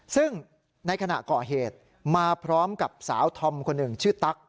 ซึ่งในขณะก่อเหตุมาพร้อมกับสาวธอมคนหนึ่งชื่อตั๊ก